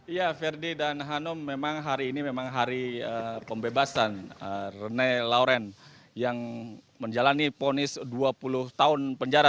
ya ferdi dan hanum memang hari ini memang hari pembebasan rene lawren yang menjalani ponis dua puluh tahun penjara